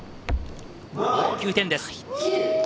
９点です。